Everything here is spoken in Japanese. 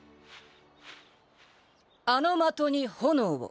あの的に炎を。